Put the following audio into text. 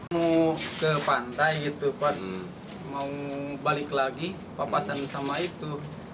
mau ke pantai gitu pas mau balik lagi papasan sama itu